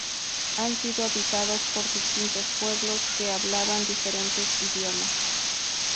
Han sido habitados por distintos pueblos, que hablaban diferentes idiomas.